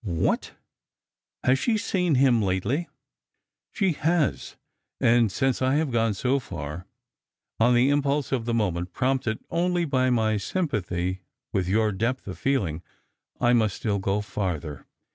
" AYhat, has she seen him lately?" " She has ; and since I have gone so far, — on the impulse of the moment, prompted only by my sympathy with your depth of feeling, — I must still go farther.